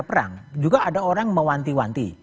perang juga ada orang mewanti wanti